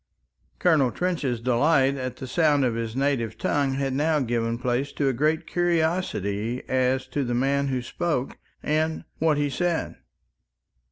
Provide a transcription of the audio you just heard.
Colonel Trench's delight in the sound of his native tongue had now given place to a great curiosity as to the man who spoke and what he said.